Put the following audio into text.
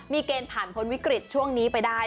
มีเกณฑ์ผ่านพ้นวิกฤตช่วงนี้ไปได้